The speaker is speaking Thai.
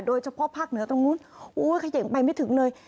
โดยเฉพาะภาคเหนือตรงนู้นโอ้ยเขย่งไปไม่ถึงเลย